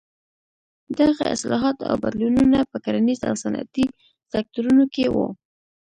دغه اصلاحات او بدلونونه په کرنیز او صنعتي سکتورونو کې وو.